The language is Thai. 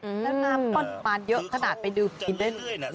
อืมน้ำป้อนปันเยอะขนาดไปดูกินได้